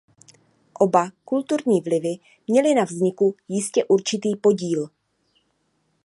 Oba kulturní vlivy měly na vzniku jistě určitý podíl.